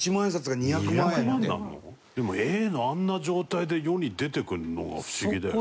でもＡのあんな状態で世に出てくるのが不思議だよね。